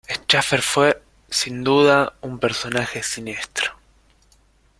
Schäfer fue sin duda un personaje siniestro.